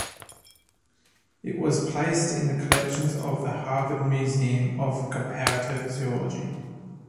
It was placed in the collections of the Harvard Museum of Comparative Zoology.